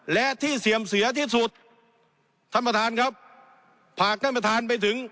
และที่เสื่อมเสียที่สุดท่านประธานครับพาท่านประธานไปถึง